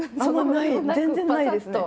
全然ないですね。